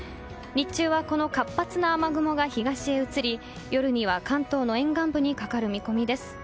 日中はこの活発な雨雲が東へ移り夜には関東の沿岸部にかかる見込みです。